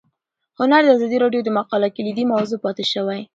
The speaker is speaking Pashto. هنر د ازادي راډیو د مقالو کلیدي موضوع پاتې شوی.